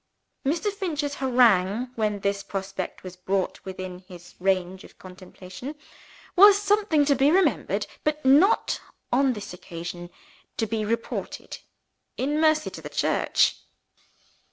Mr. Finch's harangue when this prospect was brought within his range of contemplation, was something to be remembered, but not (on this occasion) to be reported in mercy to the Church.